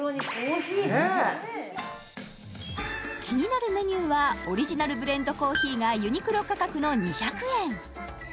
気になるメニューはオリジナルブレンドコーヒーがユニクロ価格の２００円